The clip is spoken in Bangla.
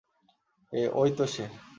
ওই তো সে।